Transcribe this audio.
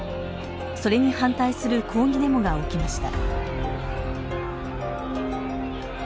それに反対する抗議デモが起きました。